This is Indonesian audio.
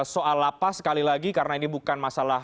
soal apa sekali lagi karena ini bukan masalah pertahanan